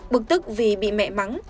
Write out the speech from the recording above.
bực tức vì bị mẹ mắng